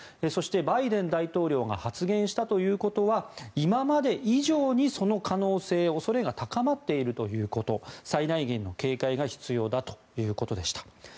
そしてバイデン大統領が発言したということは今まで以上にその可能性、恐れが高まっているということ最大限の警戒が必要だということでした。